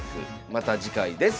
また次回です。